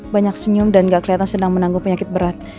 banyak senyum dan gak kelihatan sedang menanggung penyakit berat